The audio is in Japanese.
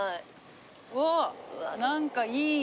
うわ何かいい。